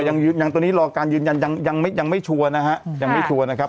อย่างตอนนี้รอการยืนยันยังไม่ชัวร์นะครับ